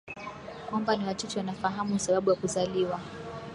kwamba ni wachache wanafahamu sababu ya kuzaliwa